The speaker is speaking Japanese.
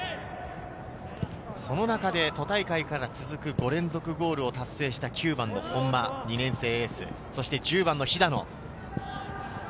その中で都大会から続く５連続ゴールを達成した９番の本間、２年生エース、１０番の肥田野。